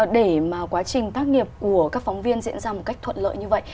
để mà quá trình tác nghiệp của các phóng viên diễn ra một cách thuận lợi như vậy